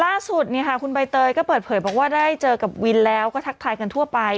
ล่าสุดคุณใบเตยก็เปิดเผยบอกว่าได้เจอกับวินแล้วก็ทักทายกันทั่วไป